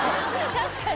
確かに。